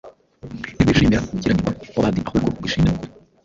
Ntirwishimira gukiranirwa kw’abandi, ahubwo rwishimira ukuri;